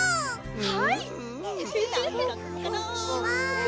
はい！